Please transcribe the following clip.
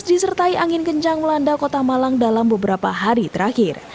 disertai angin kencang melanda kota malang dalam beberapa hari terakhir